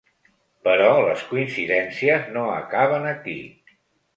Però les coincidències no acaben aquí.